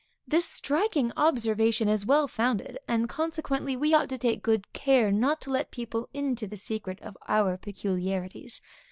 This striking observation is well founded, and consequently we ought to take good care not to let people into the secret of our peculiarities.